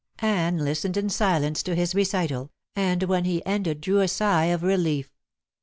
Anne listened in silence to his recital, and when he ended drew a sigh of relief.